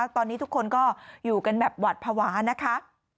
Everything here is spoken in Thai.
ตอนนี้ทุกคนก็อยู่กันแบบหวัดภาวะนะคะ